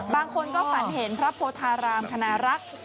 บางคนก็ฝันเห็นพระโพธารามคณรักษ์